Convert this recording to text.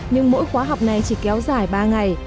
nhưng mỗi khóa học này chỉ kéo dài ba ngày